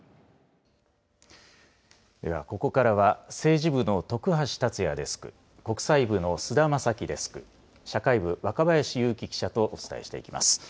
ではここからは政治部の徳橋達也デスク、国際部の須田正紀デスク、社会部、若林勇希記者とお伝えしていきます。